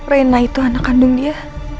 rena itu anak kandung dia